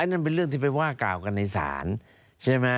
นั่นเป็นเรื่องที่ไปว่ากล่าวกันในศาลใช่ไหม